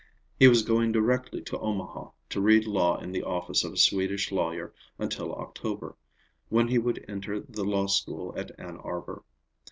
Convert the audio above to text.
He was going directly to Omaha, to read law in the office of a Swedish lawyer until October, when he would enter the law school at Ann Arbor.